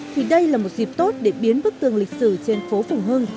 thì đây là một dịp tốt để biến bức tường lịch sử trên phố phùng hưng